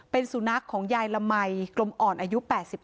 เป็นสุนัขของยายละมัยกลมอ่อนอายุ๘๕